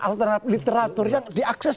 alternatif literatur yang diakses